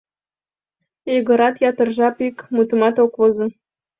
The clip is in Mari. — Егорат ятыр жап ик мутымат ок возо.